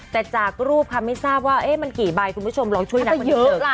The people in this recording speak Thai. แต่จากรูปค่ะไม่ทราบว่ามันกี่ใบคุณผู้ชมลองช่วยนะ